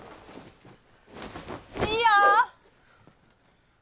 いいよ！